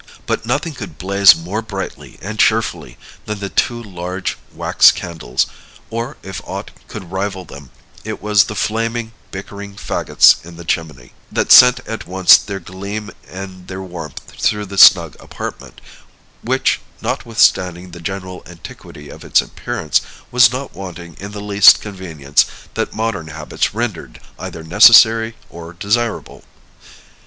But nothing could blaze more brightly and cheerfully than the two large wax candles; or if aught could rival them, it was the flaming, bickering fagots in the chimney, that sent at once their gleam and their warmth through the snug apartment; which, notwithstanding the general antiquity of its appearance, was not wanting in the least convenience that modern habits rendered either necessary or desirable.